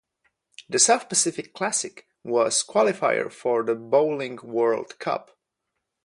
The South Pacific Classic was qualifier for the Bowling World Cup.